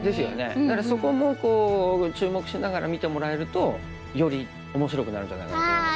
だからそこも注目しながら見てもらえるとより面白くなるんじゃないかなと思いますよ。